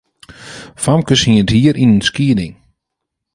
Famkes hiene it hier yn in skieding.